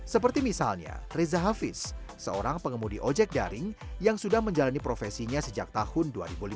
seperti misalnya reza hafiz seorang pengemudi ojek daring yang sudah menjalani profesinya sejak tahun dua ribu lima belas